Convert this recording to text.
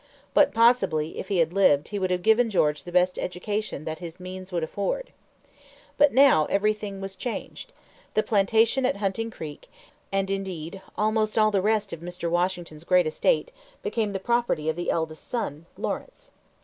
But possibly, if he had lived, he would have given George the best education that his means would afford. But now everything was changed. The plantation at Hunting Creek, and, indeed, almost all the rest of Mr. Washington's great estate, became the property of the eldest son, Lawrence.